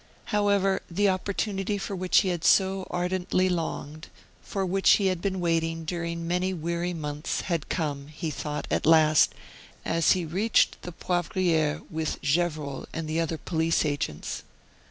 However, the opportunity for which he had so ardently longed, for which he had been waiting during many weary months, had come, he thought, at last, as he reached the Poivriere with Gevrol and the other police agents.